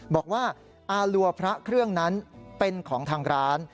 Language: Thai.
บอกว่าอารัวพระเครื่องนั้นเป็นของทางร้าน